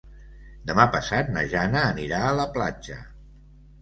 Demà passat na Jana anirà a la platja.